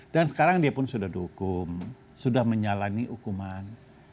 dan sekarang dia pun sudah dihukum sudah menyalani hukuman